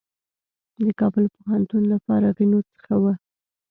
د کابل پوهنتون له فارغینو څخه و.